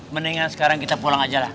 mendingan sekarang kita pulang aja lah